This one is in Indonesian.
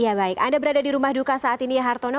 ya baik anda berada di rumah duka saat ini ya hartono